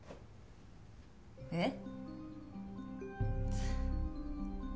えっ？